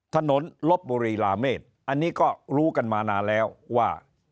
ลบบุรีลาเมษอันนี้ก็รู้กันมานานแล้วว่า